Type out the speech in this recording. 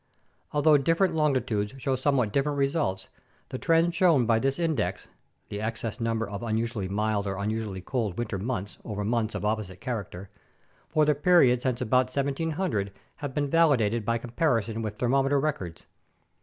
Although different longitudes show somewhat different results, the trends shown by this index (the excess number of unusually mild or unusually cold winter months over months of opposite character) for the period since about 1700 have been validated by comparison with thermometer records.